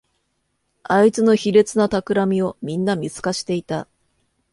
あいつの卑劣なたくらみをみんな見透かしていた